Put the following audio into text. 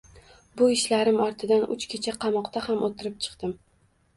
Bu ishlarim ortidan uch kecha qamoqda ham o’tirib chiqdim.